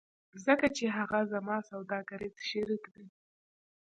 ځکه چې هغه زما سوداګریز شریک دی